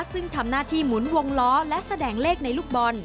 ซึ่งทำหน้าที่หมุนวงล้อและแสดงเลขในลูกบอล